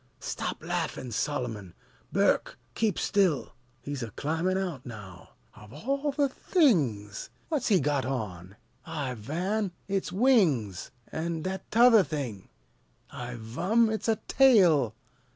Stop laffin', Solomon! Burke, keep still! He's a climbin' out now Of all the things! What's he got on? I van, it's wings! An' that t'other thing? I vum, it's a tail!